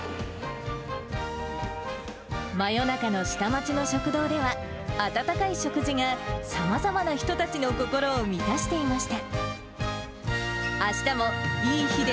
真夜中の下町の食堂では、温かい食事がさまざまな人たちの心を満たしていました。